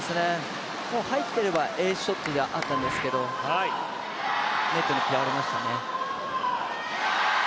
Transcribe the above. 入っていればエースショットであったんですけどネットに嫌われましたね。